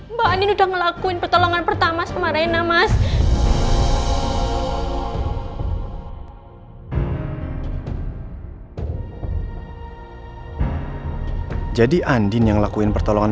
mbak andin udah ngelakuin pertolongan pertama sama reina mas jadi andin yang lakuin pertolongan